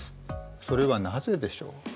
それはなぜでしょう？